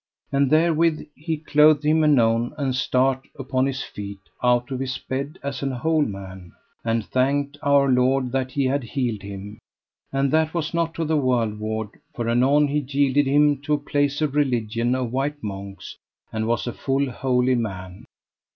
And therewith he clothed him anon, and start upon his feet out of his bed as an whole man, and thanked Our Lord that He had healed him. And that was not to the worldward, for anon he yielded him to a place of religion of white monks, and was a full holy man.